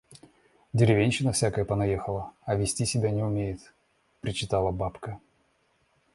«Деревенщина всякая понаехала, а вести себя не умеют» — причитала бабка.